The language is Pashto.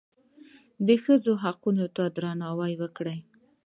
د ښځو حقوقو ته درناوی وکړئ